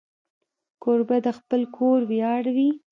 کوربه د خپل کور ویاړ وي.